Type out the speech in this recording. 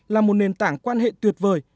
là một nền tảng quan hệ tuyệt vời